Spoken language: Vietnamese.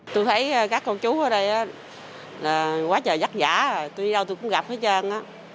tôi thấy các cô chú ở đây quá trời rắc rã tôi đi đâu tôi cũng gặp hết trơn